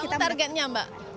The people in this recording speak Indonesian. apa targetnya mbak